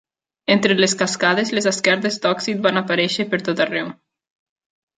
Entre les cascades, les esquerdes d'òxid van aparèixer pertot arreu.